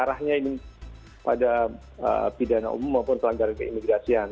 arahnya ini pada pidana umum maupun pelanggaran keimigrasian